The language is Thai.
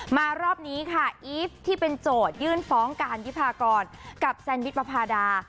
รอบนี้ค่ะอีฟที่เป็นโจทยื่นฟ้องการวิพากรกับแซนวิชประพาดา